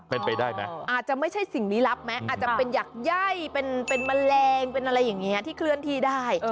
เป็นไปได้ไหมอาจจะไม่ใช่สิ่งลี้ลับไหมอาจจะเป็นหยักย่ายเป็นแมลงเป็นอะไรอย่างนี้ที่เคลื่อนที่ได้